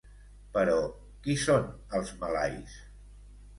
Però, qui són els malais?